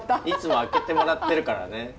いつも開けてもらってるからね。